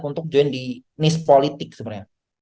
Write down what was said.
untuk join di nispolitik sebenarnya